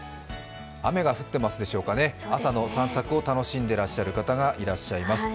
雨が降ってますでしょうかね、朝の散策を楽しんでらっしゃる方がいらっしゃいます。